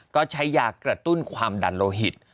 ก็ใช้ยากระตุ้นความดันโลหิต